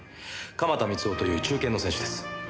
鎌田光男という中堅の選手です。